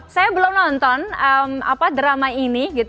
saya belum nonton drama ini